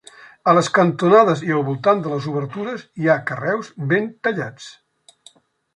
A les cantonades i al voltant de les obertures hi ha carreus ben tallats.